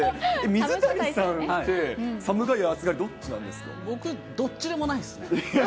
水谷さんって寒がり、僕、どっちでもないです。